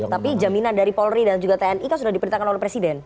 tapi jaminan dari polri dan juga tni kan sudah diperintahkan oleh presiden